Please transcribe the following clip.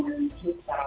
dari indonesia secara